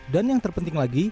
dan yang terpenting lagi